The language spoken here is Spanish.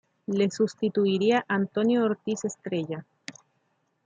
Le sustituiría Antonio Ortiz Estrella.